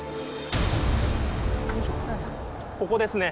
ここですね。